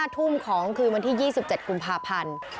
ทุ่มของคืนวันที่๒๗กุมภาพันธ์